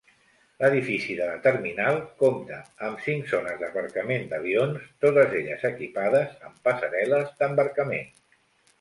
L'edifici de la terminal compta amb cinc zones d'aparcament d'avions, totes elles equipades amb passarel·les d'embarcament.